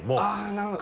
なるほど。